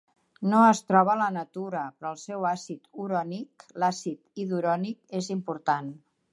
No es troba a la natura, però el seu àcid urònic, l'acid idurònic, és important.